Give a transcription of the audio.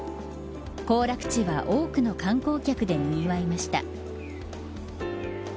行楽地は多くの観光客でにぎわいました。